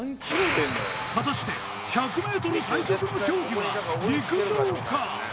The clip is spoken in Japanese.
果たして１００ｍ最速の競技は陸上か？